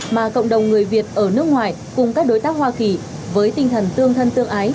mà cộng đồng người việt ở nước ngoài cùng các đối tác hoa kỳ với tinh thần tương thân tương ái